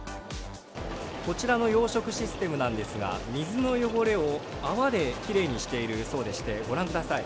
こちらの養殖システムなんですが水の汚れを泡できれいにしているそうでしてご覧ください